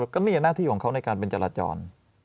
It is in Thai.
ก็มีหน้าที่ของเขาในการเป็นจราจร